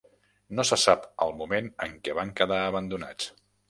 No se sap el moment en què van quedar abandonats.